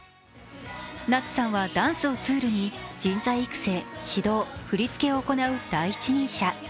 夏さんはダンスをツールに人材育成、指導、振り付けを行う第一人者。